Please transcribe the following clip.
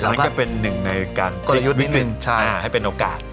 อันนั้นก็เป็นหนึ่งในการวิจัยให้เป็นโอกาส